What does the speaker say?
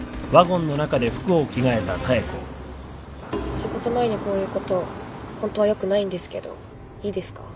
・仕事前にこう言うことホントは良くないんですけどいいですか？